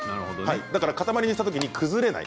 だから塊にしたときに崩れない。